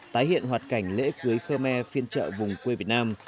tái hiện hoạt cảnh lễ cưới khơ me phiên trợ vùng quê việt nam